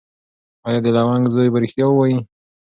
ایا د لونګ زوی به ریښتیا وایي؟